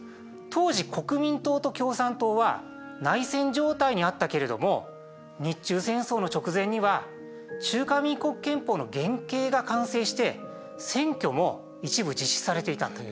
当時国民党と共産党は内戦状態にあったけれども日中戦争の直前には中華民国憲法の原型が完成して選挙も一部実施されていたんだ。